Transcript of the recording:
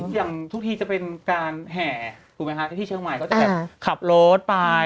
อย่างทุกทีจะเป็นการแห่ถูกไหมคะที่เชียงใหม่เขาจะแบบขับรถไป